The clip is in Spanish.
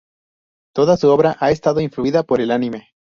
Toda su obra ha estado influida por el anime.